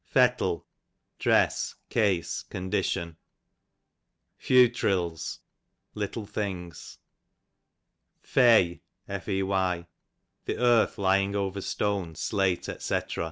Fettle, rfj'ess; case; condition. Fewtrils, little things. Fey, the earth lying over stone, slate, dr.